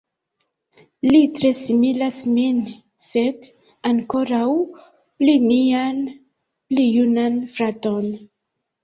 Li tre similas min, sed ankoraŭ pli mian pli junan fraton.